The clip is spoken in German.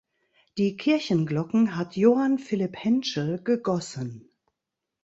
Die Kirchenglocken hat Johann Philipp Hentschel gegossen.